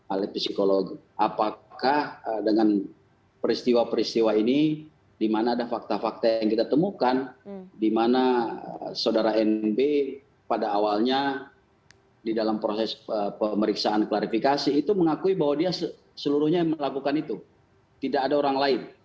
alat psikologi apakah dengan peristiwa peristiwa ini di mana ada fakta fakta yang kita temukan di mana saudara nb pada awalnya di dalam proses pemeriksaan klarifikasi itu mengakui bahwa dia seluruhnya melakukan itu tidak ada orang lain